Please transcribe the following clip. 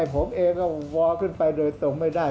ผมเองก็วอลขึ้นไปโดยตรงไม่ได้